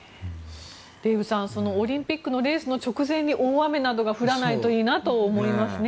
デーブさんオリンピックのレースの直前に大雨などが降らないといいなと思いますね。